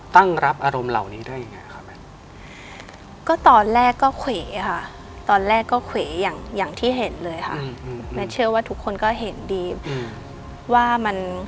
ตั้งรับอารมณ์เหล่านี้ได้ยังไงครับ